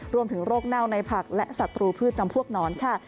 รวมถึงโรคเน่าในผักและสตรูพืชจำพวกนอนค่ะ